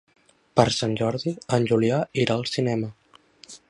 Per Sant Jordi en Julià irà al cinema.